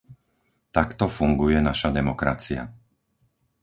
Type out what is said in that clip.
Takto funguje naša demokracia.